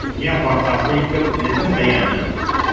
یا خۆ قاسپەی کەو لەدەم بەیانا